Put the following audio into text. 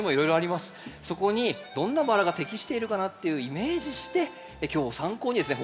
そこにどんなバラが適しているかなっていうイメージして今日を参考にですね